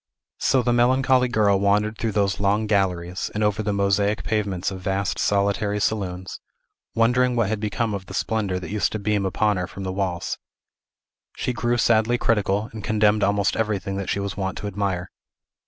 So the melancholy girl wandered through those long galleries, and over the mosaic pavements of vast, solitary saloons, wondering what had become of the splendor that used to beam upon her from the walls. She grew sadly critical, and condemned almost everything that she was wont to admire.